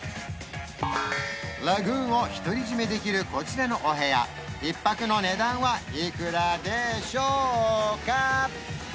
ラグーンを独り占めできるこちらのお部屋１泊の値段はいくらでしょうか？